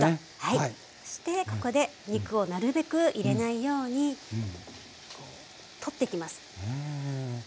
そしてここで肉をなるべく入れないように取っていきます。